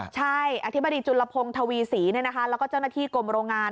ใช่อธิบดีจุลพงศ์ทวีศรีแล้วก็เจ้าหน้าที่กรมโรงงาน